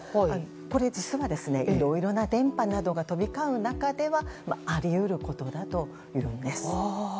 実は、いろいろな電波などが飛び交う中ではあり得ることだというんです。